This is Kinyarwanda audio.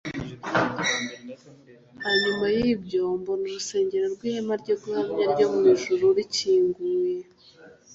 Hanyuma y’ibyo mbona urusengero rw’ihema ryo guhamya ryo mu ijuru rukinguye,